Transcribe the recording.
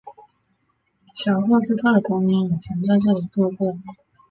小赫斯特的童年也曾在这里度过。